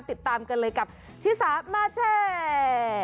ติดตามกันเลยกับชิสามาแชร์